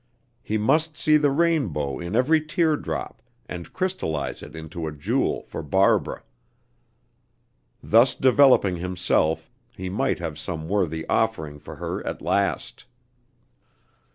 He must see the rainbow in every tear drop, and crystallize it into a jewel for Barbara. Thus developing himself, he might have some worthy offering for her at last.